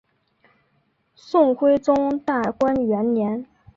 宋徽宗大观元年。